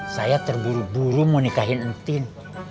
saya terburu buru mau nikahin entin